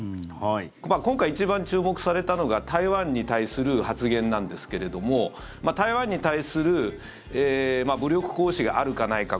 今回、一番注目されたのが台湾に対する発言なんですけども台湾に対する武力行使があるか、ないか。